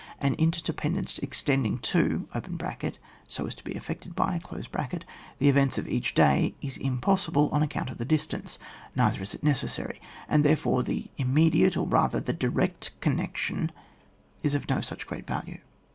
An interdependence extending to (so as to be affected by) the events of each day is impossible on account of the distance ; neither is it necessary, and therefore the immediate, or, rather the direct connec tion, is of no such great value.